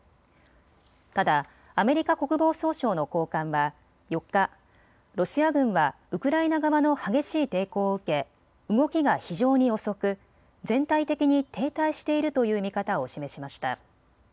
ただアメリカ国防総省の高官は４日、ロシア軍はウクライナ側の激しい抵抗を受け動きが非常に遅く全体的に停滞しているという見方を示しました。